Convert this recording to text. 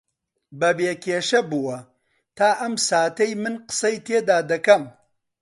بەبێ کێشە بووە تا ئەم ساتەی من قسەی تێدا دەکەم